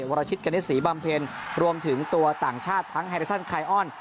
วรชิตเกณฑ์ศรีบำเพลรวมถึงตัวต่างชาติทั้งแฮลิซ่อนคายอ้อน